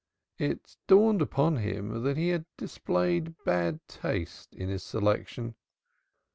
It dawned upon him that he had displayed bad taste in his selection.